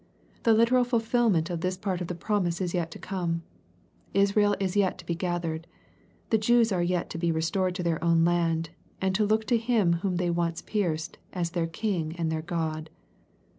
The literal fulfilment of this part of the promise is yet to come. Israel is yet to be gathered. The Jews are yet to be restored to their own land, and to look to Him whom they once pierced, as their King and their God.